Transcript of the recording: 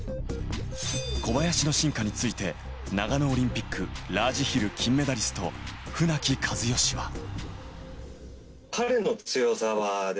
小林の進化について長野オリンピック、ラージヒル金メダリスト、船木和喜は。